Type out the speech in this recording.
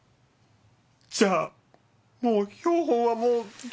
じゃあもう標本はもうどこにも。